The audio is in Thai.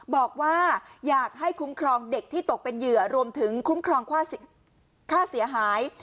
บอกว่าอยากให้คุ้มครองเด็กที่ตกเป็นเหยื่อรวมถึงคุ้มครองค่าเสียหาย